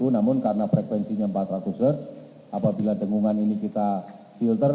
namun karena frekuensinya empat ratus hertz apabila dengungan ini kita filter